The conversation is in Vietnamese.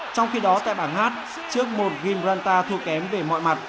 trong khi đó tại bảng hát trước một gimbranta thua kém về mọi mặt